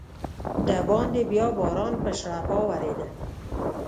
دباندې بیا باران په شړپا ورېده.